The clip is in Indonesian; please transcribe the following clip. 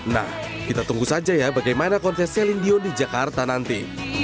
nah kita tunggu saja ya bagaimana konser celine dion di jakarta nanti